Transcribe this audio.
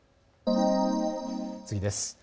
次です。